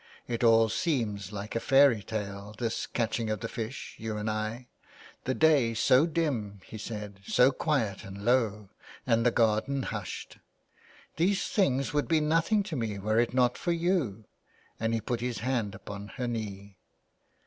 It all seems, like a fairy tale, this catching of the fish, you and I. The day so dim,'' he said, " so quiet and low, and the garden hushed. These things would be nothing to me were it not for you," and he put his hand upon her knee.